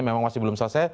memang masih belum selesai